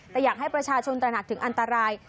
แต่อยากให้ประชาชนตระหนักถึงอันตราย